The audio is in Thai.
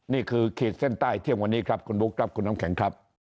ขีดเส้นใต้เที่ยงวันนี้ครับคุณบุ๊คครับคุณน้ำแข็งครับ